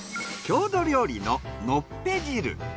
郷土料理ののっぺ汁。